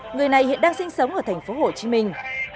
người này hiện đang sinh sống ở thành phố hồ chí minh